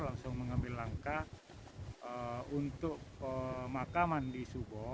langsung mengambil langkah untuk pemakaman di subo